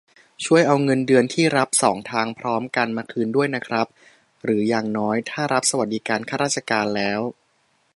ช่วยเอาเงินเดือนที่รับสองทางพร้อมกันมาคืนด้วยนะครับ หรืออย่างน้อยถ้ารับสวัสดิการข้าราชการแล้ว